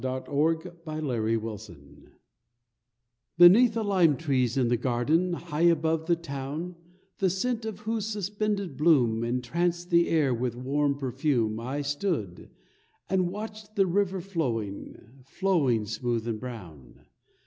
AT MEISSEN June 29th Beneath the lime trees in the garden High above the town, The scent of whose suspended bloom Entranced the air with warm perfume I stood, and watched the river flowing, Flowing smooth and brown.